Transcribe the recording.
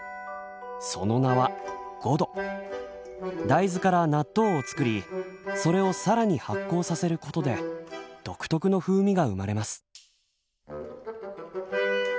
大豆から納豆を作りそれを更に発酵させることで独特の風味が生まれます。